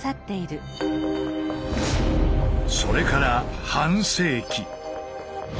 それから半世紀。